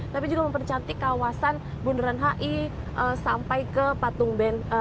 tapi juga mempercantik kawasan bundaran hi sampai ke patung ben